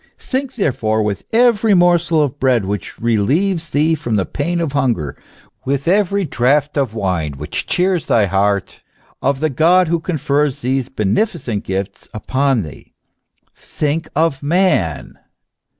* Think, therefore, with every morsel of bread which relieves thee from the pain of hunger, with every draught of wine which cheers thy heart, of the God, who con fers these beneficent gifts upon thee, think of Man